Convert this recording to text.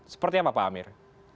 seperti apa pak amir